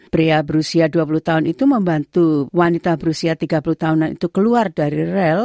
pria berusia dua puluh tahun itu membantu wanita berusia tiga puluh tahunan itu keluar dari rel